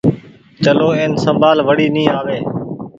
چلو اين سمڀآل وڙي ني آوي۔